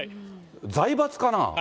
財閥かな？